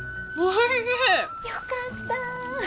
よかった。